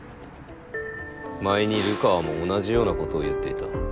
前に流川も同じようなことを言っていた。